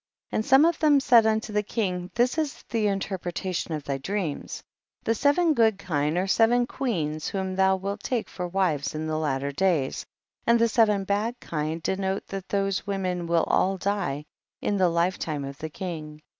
21. And some of tliem said unto the king, this is the interptetation of thy dreams ; the seven good kine are seven queens, whom thou wilt take for wives in the latter days, and the seven bad kine denote that those women will all die in the lifetime of the king.